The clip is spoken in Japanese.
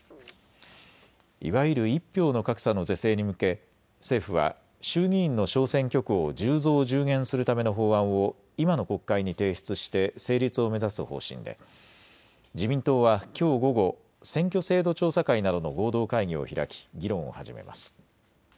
いわゆる１票の格差の是正に向け政府は衆議院の小選挙区を１０増１０減するための法案を今の国会に提出して成立を目指す方針で自民党はきょう午後、選挙制度調査会などの合同会議を開き議論を始めます。